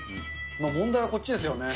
問題はこっちですよね。